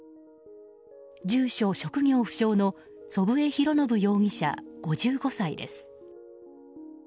住所・職業不詳の祖父江博伸容疑者、５５歳です。